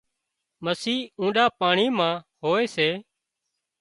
مسي اونڏا پاڻي مان هوئي سي